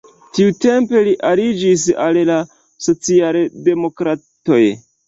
Tiutempe li aliĝis al la socialdemokratoj.